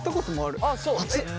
熱っ。